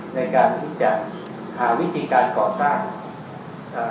ในการที่จะหาวิธีการก่อสร้างเอ่อ